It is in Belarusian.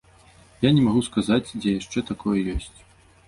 Я не магу сказаць, дзе яшчэ такое ёсць.